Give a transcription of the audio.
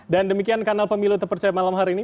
dan demikian kanal pemilu tepersaya malam hari ini